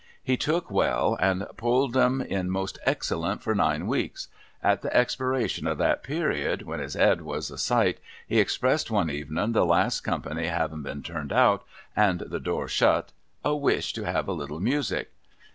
He took well, and pulled 'em in most excellent for nine weeks. At the expiration of that period, when his Ed was a sight, he expressed one evenin, the last Company bavin been turned out, and the door shut, a wish to have a little music.